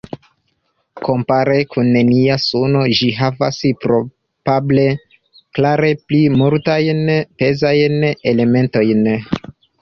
Kompare kun nia Suno ĝi havas probable klare pli multajn pezajn elementojn.